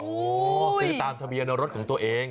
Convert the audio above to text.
คือตามทะเบียนรถของตัวเอง